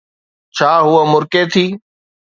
ڇا ھوءَ مُرڪي ٿي؟